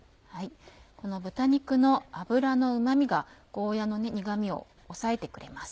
この豚肉の脂のうま味がゴーヤの苦味を抑えてくれます。